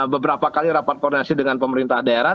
beberapa kali rapat koordinasi dengan pemerintah daerah